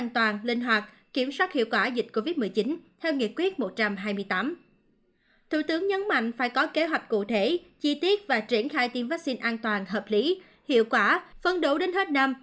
thủ tướng nhấn mạnh phải có kế hoạch cụ thể chi tiết và triển khai tiêm vaccine an toàn hợp lý hiệu quả phấn đấu đến hết năm